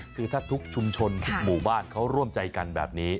คือถ้าทุกชุมชนทุกหมู่บ้านเขาร่วมใจกันแบบนี้